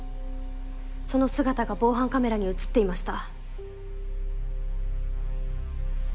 その姿が防犯カメラに映っていました。